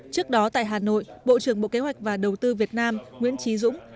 trước đó tại hà nội bộ trưởng bộ kế hoạch và đầu tư việt nam nguyễn trí dũng